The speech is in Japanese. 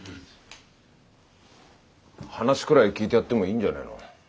話くらい聞いてやってもいいんじゃねえの？